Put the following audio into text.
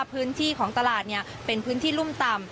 พื้นที่ของตลาดเป็นพื้นที่รุ่มต่ำ